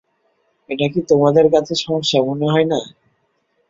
এটা কি তোমাদের কাছে সমস্যা মনে হয় না?